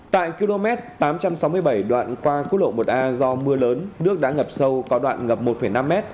tại km tám trăm sáu mươi bảy đoạn qua quốc lộ một a do mưa lớn nước đã ngập sâu có đoạn ngập một năm m